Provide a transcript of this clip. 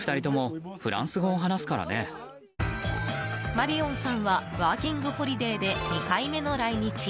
マリオンさんはワーキングホリデーで２回目の来日。